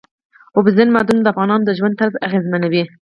اوبزین معدنونه د افغانانو د ژوند طرز اغېزمنوي.